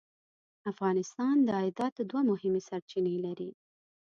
افغانستان د عایداتو دوه مهمې سرچینې لري.